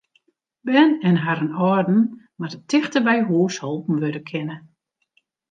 Bern en harren âlden moatte tichteby hús holpen wurde kinne.